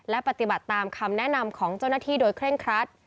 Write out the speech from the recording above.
และปฏิบัติตามคำแนะนำของเจ้าหน้าที่โดยเคร่งครัด